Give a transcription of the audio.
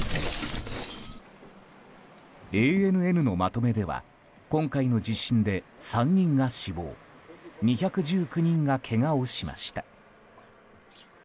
ＡＮＮのまとめでは今回の地震で３人が死亡２１９人がけがをしました。